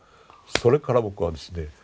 それから僕はですね